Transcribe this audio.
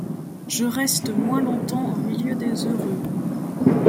Je reste moins longtemps au milieu des heureux